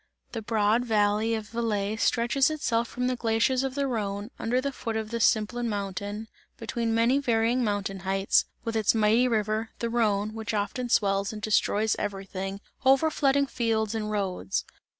The broad valley of Valais stretches itself from the glaciers of the Rhone, under the foot of the Simplon mountain, between many varying mountain heights, with its mighty river, the Rhone, which often swells and destroys everything, overflooding fields and roads.